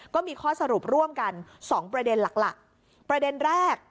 ก็มีข้อสรุปร่วมกัน๒ประเด็นหลัก